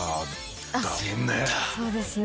そうですね。